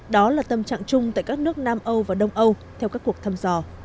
đó là tâm trạng chung tại các nước nam âu và đông âu theo các cuộc thăm dò